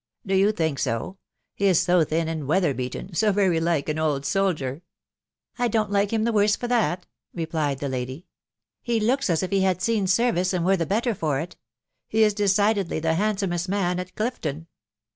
" Do you think so ?.... He is so thin and weather beaten .... so very like an old soldier." k( I don't like him the worse for that," replied the lady. " He looks as if he had seen service, and were the better for it. He is decidedly the handsomest man at Clifton."